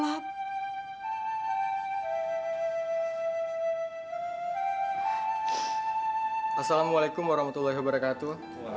assalamualaikum warahmatullahi wabarakatuh